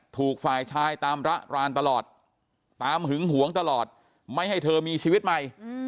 ถูกฝ่ายชายตามระรานตลอดตามหึงหวงตลอดไม่ให้เธอมีชีวิตใหม่